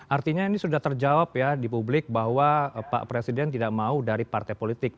artinya ini sudah terjawab ya di publik bahwa pak presiden tidak mau dari partai politik